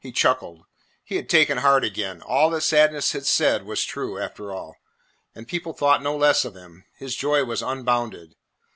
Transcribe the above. He chuckled. He had taken heart again. All that Sadness had said was true, after all, and people thought no less of him. His joy was unbounded.